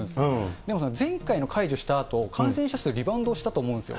でも前回の解除したあと、感染者数リバウンドしたと思うんですよ。